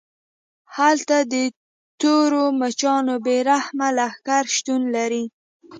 هلته د تورو مچانو بې رحمه لښکرې شتون لري